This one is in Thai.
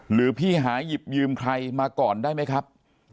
หรือพี่หาหยิบยืมใครมาก่อนได้ไหมครับ